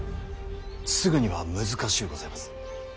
すぐには難しゅうございます。